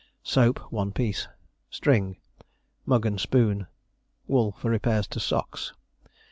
Soap, one piece. String. Mug and spoon. Wool for repairs to socks.